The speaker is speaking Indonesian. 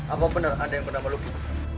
apa benar anda yang bernama lucky